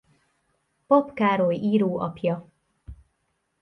Pap Károly író apja.